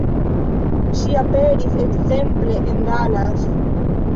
Ŝi aperis ekzemple en Dallas.